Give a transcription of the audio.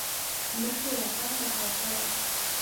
مخ یې وطن ته تاو کړی.